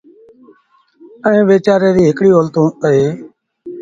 ائيٚݩ ويچآريٚ ريٚ هڪڙي اولت اهي